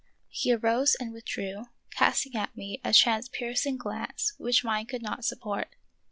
He arose and withdrew, casting at me a transpiercing glance which mine could not support.